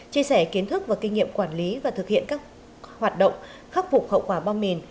chia sẻ kiến thức và kinh nghiệm quản lý và thực hiện các hoạt động khắc phục hậu quả bom mìn